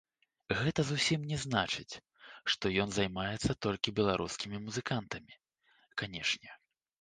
Гэта зусім не значыць, што ён займаецца толькі беларускімі музыкантамі, канешне.